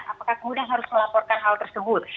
apakah kemudian harus melaporkan hal tersebut